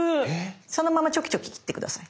そのままちょきちょき切って下さい。